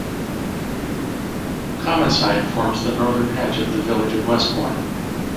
Commonside forms the northern edge of the village of Westbourne.